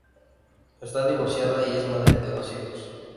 Está divorciada y es madre de dos hijos.